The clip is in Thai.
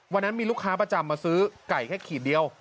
วันนั้นมีลูกค้าประจำมาซื้อไก่แค่ขีดเดียว